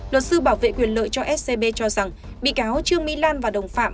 luật sư bảo vệ quyền lợi cho scb cho rằng bị cáo trương mỹ lan và đồng phạm